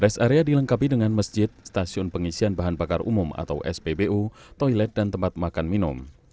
rest area dilengkapi dengan masjid stasiun pengisian bahan bakar umum atau spbu toilet dan tempat makan minum